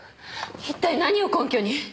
一体何を根拠に？